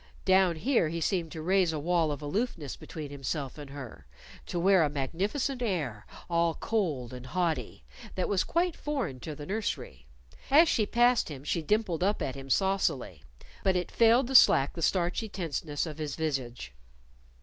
Down here he seemed to raise a wall of aloofness between himself and her, to wear a magnificent air, all cold and haughty, that was quite foreign to the nursery. As she passed him, she dimpled up at him saucily. But it failed to slack the starchy tenseness of his visage.